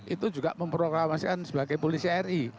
itu juga memproklamasikan sebagai polisi ri